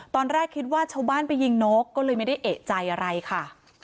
ตอนแรกคิดว่าชาวบ้านไปยิงนกก็เลยไม่ได้เอกใจอะไรค่ะ